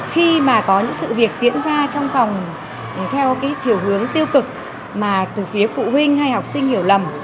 khi mà có những sự việc diễn ra trong vòng theo cái chiều hướng tiêu cực mà từ phía phụ huynh hay học sinh hiểu lầm